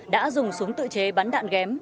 đã dùng súng tự chế bắn đạn ghém